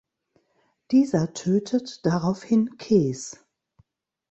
Dieser tötet daraufhin Kes.